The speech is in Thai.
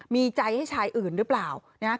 มีใจให้ชายอื่นหรือเปล่า